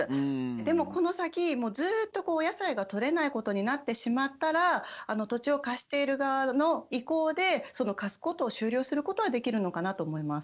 でもこの先もうずっとお野菜がとれないことになってしまったら土地を貸している側の意向でその貸すことを終了することはできるのかなと思います。